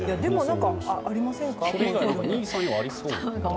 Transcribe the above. ありませんか？